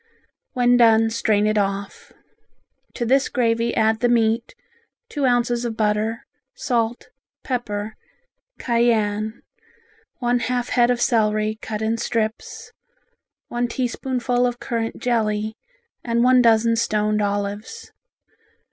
When done strain it off. To this gravy add the meat, two ounces of butter, salt, pepper, cayenne, one half head of celery, cut in strips, one teaspoonful of currant jelly and one dozen stoned olives.